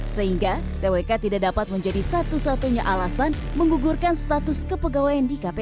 sehingga twk tidak dapat menjadi satu satunya alasan menggugurkan status kepegawaian di kpk